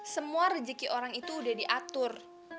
semua rezeki orang itu udah diatur